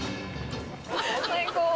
最高！